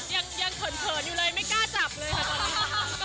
ยังเผินอยู่เลยไม่กล้าจับเลยค่ะตอนนี้